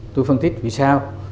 tôi phân tích vì sao